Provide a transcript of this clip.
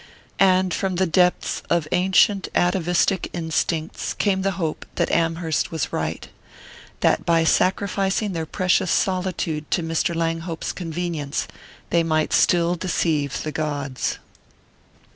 And from the depths of ancient atavistic instincts came the hope that Amherst was right that by sacrificing their precious solitude to Mr. Langhope's convenience they might still deceive the gods.